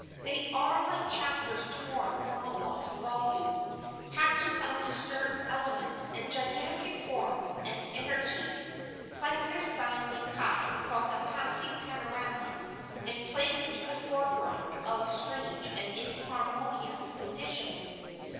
They are like chapters torn from a lost volume patches of disturbed elements and gigantic forms and energies clandestinely cut from a passing panorama and placed in the foreground of strange and inharmonious conditions.